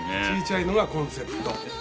小ちゃいのがコンセプト。